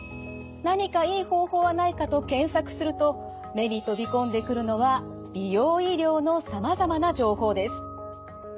何かいい方法はないかと検索すると目に飛び込んでくるのは美容医療のさまざまな情報です。